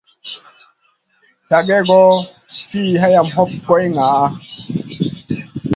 Sa gèh-goh tiʼi hayam hoɓ goy ŋaʼa.